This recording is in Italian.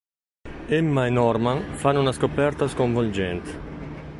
Emma e Norman fanno una scoperta sconvolgente.